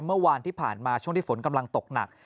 เมื่อวานที่ผ่านมาช่วงที่ฝนกำลังตกหนัก